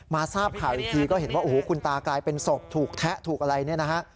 ทราบข่าวอีกทีก็เห็นว่าโอ้โหคุณตากลายเป็นศพถูกแทะถูกอะไรเนี่ยนะฮะ